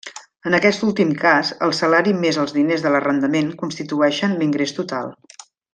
En aquest últim cas, el salari més els diners de l'arrendament constituïxen l'ingrés total.